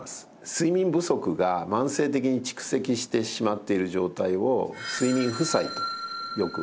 睡眠不足が慢性的に蓄積してしまっている状態を睡眠負債とよく呼びます。